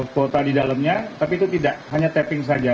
kuota di dalamnya tapi itu tidak hanya tapping saja